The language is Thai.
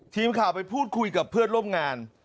ทีมข่าวไปพูดคุยกับเพื่อนร่วมงาน